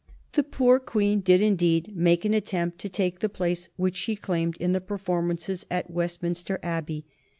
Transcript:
The poor Queen did, indeed, make an attempt to take the place which she claimed in the performances at Westminster Abbey.